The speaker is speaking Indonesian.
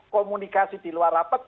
komunikasi di luar rapat